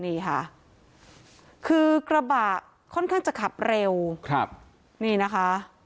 นี่ค่ะคือกระบะค่อนข้างจะขับเร็วครับนี่นะคะ